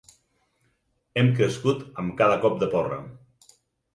Hem crescut amb cada cop de porra.